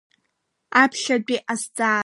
Аԥхьатәи азҵаара.